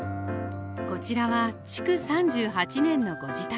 こちらは築３８年のご自宅。